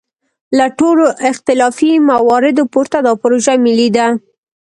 له ټولو اختلافي مواردو پورته دا پروژه ملي ده.